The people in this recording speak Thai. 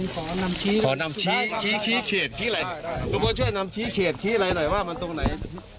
ครับได้แล้วครับ